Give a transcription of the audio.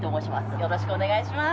よろしくお願いします。